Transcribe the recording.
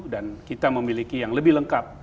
dan kita memiliki yang lebih lengkap